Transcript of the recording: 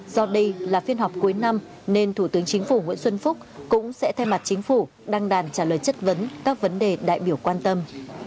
do đây là phiên họp cuối năm nên thủ tướng chính phủ nguyễn xuân phúc cũng sẽ thay mặt chính phủ đăng đàn trả lời chất vấn các vấn đề đại biểu quan tâm